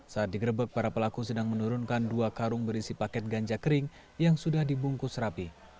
saat digrebek para pelaku sedang menurunkan dua karung berisi paket ganja kering yang sudah dibungkus rapi